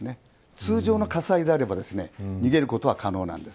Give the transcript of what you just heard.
通常の火災であれば逃げることは可能なんです。